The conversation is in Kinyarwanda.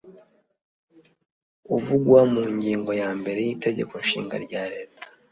uvugwa mu ngingo ya mbere y itegeko nshinga rya leta